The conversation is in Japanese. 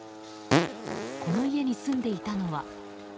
この家に住んでいたのは。